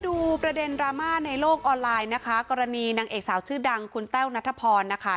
ดูประเด็นดราม่าในโลกออนไลน์นะคะกรณีนางเอกสาวชื่อดังคุณแต้วนัทพรนะคะ